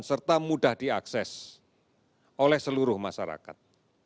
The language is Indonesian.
serta mudah diakses oleh seluruh masyarakat